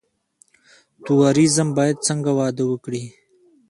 توریزم باید څنګه وده وکړي؟